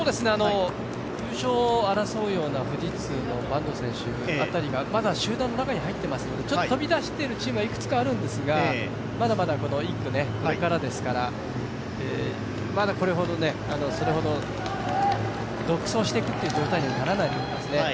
優勝を争うような富士通の坂東選手などはまだ集団の中に入っていますのでちょっと飛び出しているチームがいくつかあるんですが、まだまだ１区、ここからですからまだこれほど、それほど独走していくっていう状態にはならないと思います。